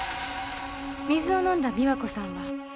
水を飲んだ美和子さんは。